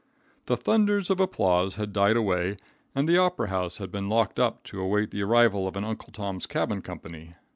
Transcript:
The thunders of applause had died away, and the opera house had been locked up to await the arrival of an Uncle Tom's Cabin Company.